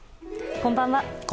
こんばんは。